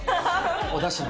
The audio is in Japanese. おだしの？